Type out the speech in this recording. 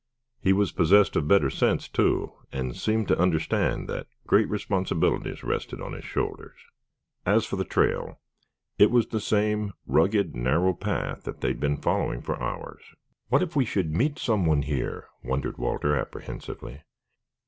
He was possessed of better sense, too, and seemed to understand that great responsibilities rested on his shoulders. As for the trail, it was the same rugged, narrow path that they had been following for hours. "What if we should meet someone here?" wondered Walter apprehensively.